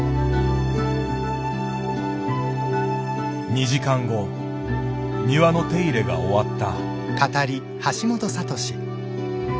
２時間後庭の手入れが終わった。